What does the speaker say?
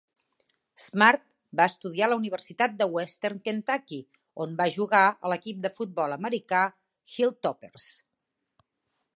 Smart va estudiar a la Universitat de Western Kentucky, on va jugar a l'equip de futbol americà Hilltoppers.